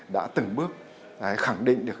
đã từng bước khẳng định được